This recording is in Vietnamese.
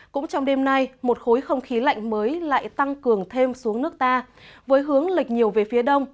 cũng trong đêm nay một khối không khí lạnh mới lại tăng cường thêm xuống nước ta với hướng lệch nhiều về phía đông